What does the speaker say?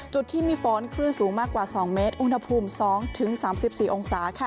จุดที่มีฝนคลื่นสูงมากกว่า๒เมตรอุณหภูมิ๒๓๔องศาค่ะ